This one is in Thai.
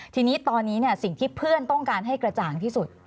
ทีนี้ตอนนี้สิ่งที่เพื่อนต้องการให้กระจ่างที่สุด